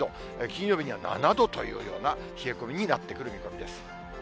金曜日には７度というような冷え込みになってくる見込みです。